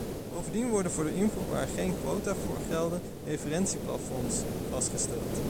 Bovendien worden voor de invoer waar geen quota voor gelden referentieplafonds vastgesteld.